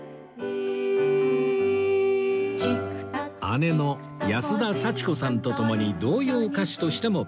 姉の安田祥子さんと共に童謡歌手としても活躍